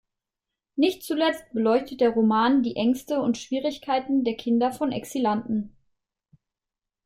Nicht zuletzt beleuchtet der Roman die Ängste und Schwierigkeiten der Kinder von Exilanten.